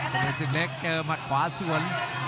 ศักดิ์สุดเล็กเกินหมัดขวาส่วน